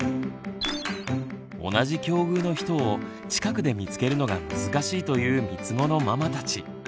同じ境遇の人を近くで見つけるのが難しいというみつごのママたち。